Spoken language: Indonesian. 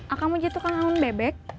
akang mau jadi tukang anggon bebek